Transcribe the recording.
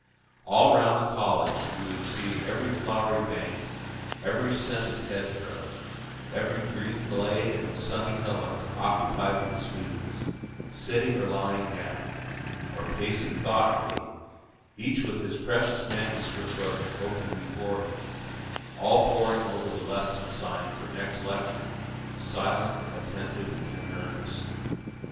All round the college you would see every flowery bank, every scented hedgerow, every green glade and sunny hillock occupied with students, sitting or lying down, or pacing thoughtfully, each with his precious manuscript book open before him, all poring over the lesson assigned for next lecture, silent, attentive, and earnest.